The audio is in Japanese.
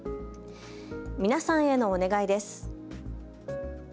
皆さんへのお願いです。